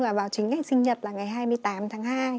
và vào chính ngày sinh nhật là ngày hai mươi tám tháng hai